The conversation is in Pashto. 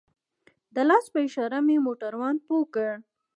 د لاس په اشاره مې موټروان پوه کړ.